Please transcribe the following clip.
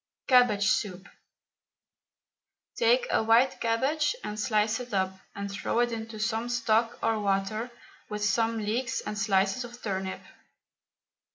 CABBAGE SOUP. Take a white cabbage and slice it up, and throw it into some stock or water, with some leeks and slices of turnip.